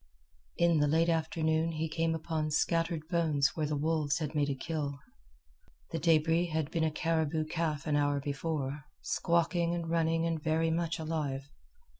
In the late afternoon he came upon scattered bones where the wolves had made a kill. The debris had been a caribou calf an hour before, squawking and running and very much alive.